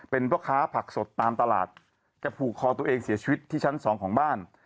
เป็นพ่อค้าผักสดตามตลาดจะผูกคอตัวเองเสียชีวิตที่ชั้นสองของบ้าน